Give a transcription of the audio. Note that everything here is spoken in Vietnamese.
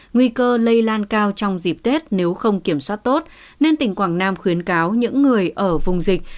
nguy cơ lây lan cao trong dịp tết nếu không kiểm soát tốt nên tỉnh quảng nam khuyến cáo những người ở vùng dịch